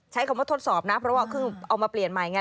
ใช้คำว่าทดสอบนะเพราะว่าเพิ่งเอามาเปลี่ยนใหม่ไง